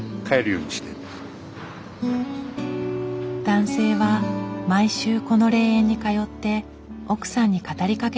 男性は毎週この霊園に通って奥さんに語りかけている。